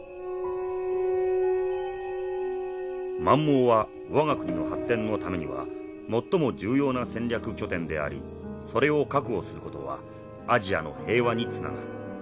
「満蒙は我が国の発展のためには最も重要な戦略拠点でありそれを確保する事はアジアの平和につながる。